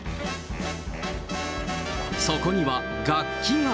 そこには、楽器が。